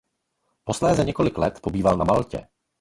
Posléze několik let pobýval na Maltě.